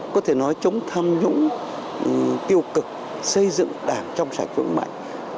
có thể nói chống tham nhũng tiêu cực xây dựng đảng trong sạch vững mạnh